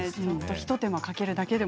一手間かけるだけで